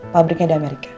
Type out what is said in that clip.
pabriknya di amerika